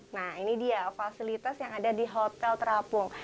nah ini dia fasilitas yang ada di hotel terapung